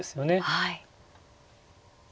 はい。